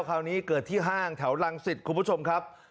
คราวนี้เกิดที่ห้างแถวรังสิตคุณผู้ชมครับ